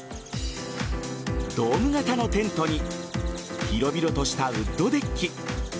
ドーム型のテントに広々としたウッドデッキ。